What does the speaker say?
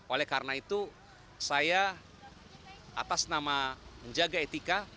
oleh karena itu saya atas nama menjaga etika